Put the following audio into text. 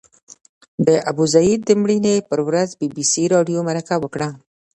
د ابوزید د مړینې پر ورځ بي بي سي راډیو مرکه وکړه.